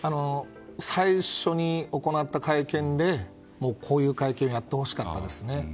最初に行った会見でこういう会見をやってほしかったですね。